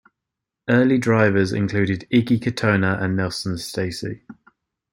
Early drivers included Iggy Katona and Nelson Stacy.